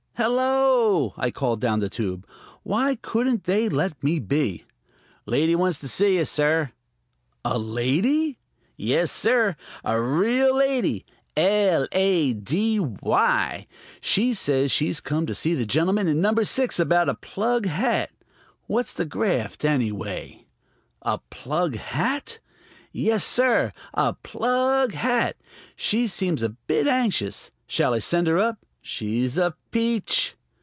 "Hello!" I called down the tube. Why couldn't they let me be? "Lady wants to see you, sir." "A lady!" "Yes, sir. A real lady; l a d y. She says she's come to see the gentleman in number six about a plug hat. What's the graft, anyway?" "A plug hat!" "Yes, sir; a plug hat. She seems a bit anxious. Shall I send her up? She's a peach."